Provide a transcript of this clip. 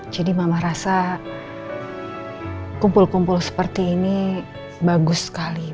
jadi mama rasa kumpul kumpul seperti ini bagus sekali